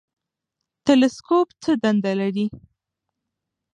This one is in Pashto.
تلسکوپ څه دنده لري؟